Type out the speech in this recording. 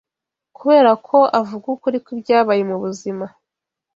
kubera ko avuga ukuri kw’ibyabaye mu buzima